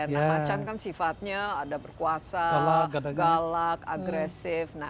nah macan kan sifatnya ada berkuasa galak agresif